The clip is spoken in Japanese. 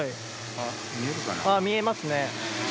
あっ見えますね。